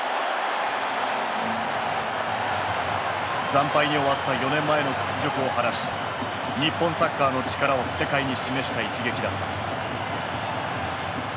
惨敗に終わった４年前の屈辱を晴らし日本サッカーの力を世界に示した一撃だった。